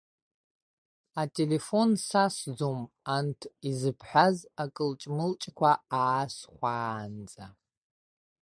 Ателефон сасӡом, анҭ изыбҳәаз акылҷмылҷқәа аасхәаанӡа.